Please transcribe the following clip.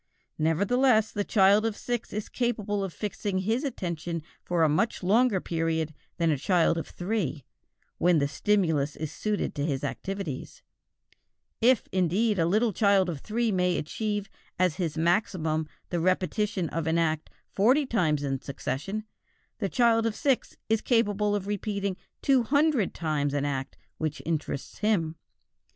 Nevertheless the child of six is capable of fixing his attention for a much longer period than a child of three, when the stimulus is suited to his activities; if, indeed, a little child of three may achieve as his maximum the repetition of an act forty times in succession, the child of six is capable of repeating two hundred times an act which interests him.